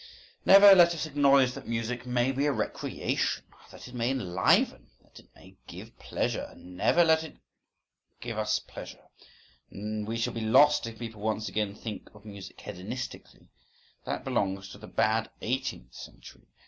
… Never let us acknowledge that music "may be a recreation," that it may "enliven," that it may "give pleasure." Never let us give pleasure!—we shall be lost if people once again think of music hedonistically.… That belongs to the bad eighteenth century.